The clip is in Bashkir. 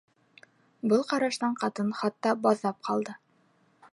Был ҡараштан ҡатын хатта баҙап ҡалды.